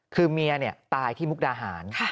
คือเมียตายที่มุกดาหาร